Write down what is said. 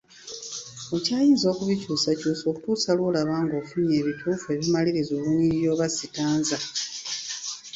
Okyayinza okubikyusakykusa okutuusa lw’olaba ng’ofunye ebituufu ebimaliriza olunyiriri oba sitanza.